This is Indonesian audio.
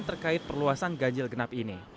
terkait perluasan ganjil genap ini